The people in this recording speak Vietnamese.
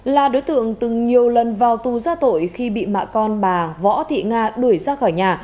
là đối tượng từng nhiều lần vào tù ra tội khi bị mẹ con bà võ thị nga đuổi ra khỏi nhà